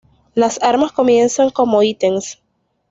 Las armas comienzan como ítems.